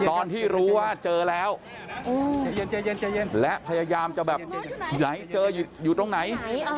ตอนที่รู้ว่าเจอแล้วและพยายามจะแบบไหนเจออยู่ตรงไหน